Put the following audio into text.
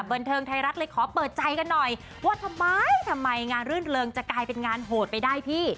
บันเทิงไทยรัฐเลยขอเปิดใจกันหน่อยว่าทำไมทำไมงานรื่นเริงจะกลายเป็นงานโหดไปได้พี่